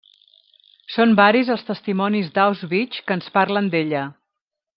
Són varis els testimonis d'Auschwitz que ens parlen d'ella.